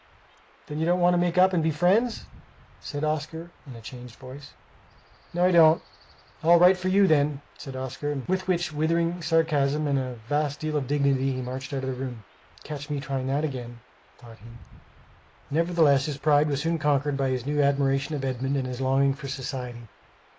"Then you don't want to make up and be friends?" said Oscar, in a changed voice. "No, I don't." "All right for you, then!" said Oscar. With which withering sarcasm and a vast deal of dignity he marched out of the room. "Catch me trying that again," thought he. Nevertheless his pride was soon conquered by his new admiration of Edmund and his longing for society.